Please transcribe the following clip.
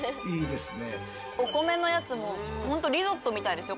お米のやつも本当リゾットみたいですよ。